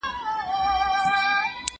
زه اوږده وخت کتابونه لولم وم،